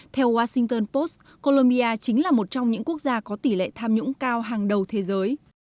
theo washington post colombia chính là một trong những quốc gia có tỷ lệ tham nhũng cao hàng đầu thế giới